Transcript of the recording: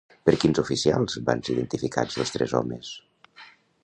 Per quins oficials van ser identificats els tres homes?